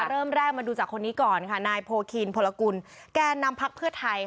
เริ่มแรกมาดูจากคนนี้ก่อนค่ะนายโพคีนพลกุลแก่นำพักเพื่อไทย